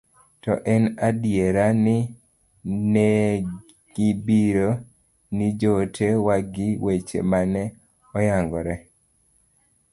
to en adiera ni negibiro ni joote wa gi weche mane oyangre